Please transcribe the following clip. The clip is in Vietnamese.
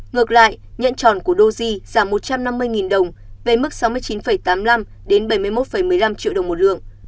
ngược lại nhận tròn của doji giảm một trăm năm mươi đồng về mức sáu mươi chín tám mươi năm bảy mươi một một mươi năm triệu đồng một lượng